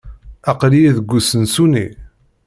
Aql-iyi deg usensu-nni.